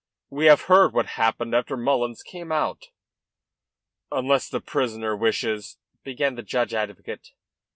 "We have heard what happened after Mullins came out." "Unless the prisoner wishes " began the judge advocate.